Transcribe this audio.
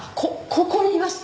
ここにいました。